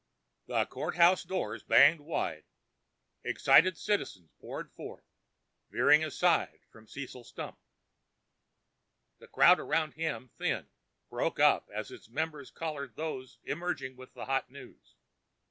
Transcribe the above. The courthouse doors banged wide; excited citizens poured forth, veering aside from Cecil Stump. The crowd around him thinned, broke up as its members collared those emerging with the hot news.